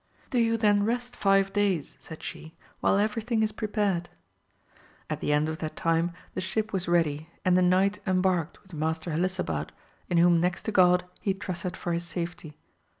Do you then rest five days, said she, while everything is prepared. At the end of that time the ship was ready, and the knight embarked with Master Helisa bad, in whom next to God he trusted for his safety.